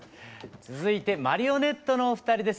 続いてマリオネットのお二人です。